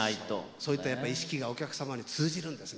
そういったやっぱり意識がお客様に通じるんですね。